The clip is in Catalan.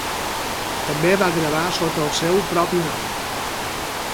També va gravar sota el seu propi nom.